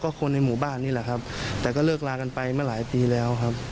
คนในหมู่บ้านนี่แหละครับแต่ก็เลิกลากันไปเมื่อหลายปีแล้วครับ